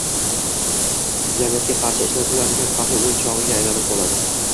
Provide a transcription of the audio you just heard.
– jamiyatga qarshi ishlatiladigan xavfli o‘yinchog‘iga aylanib qoladi.